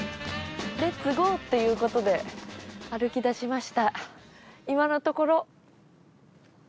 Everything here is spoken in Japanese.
レッツゴーっていうことで歩き出しました。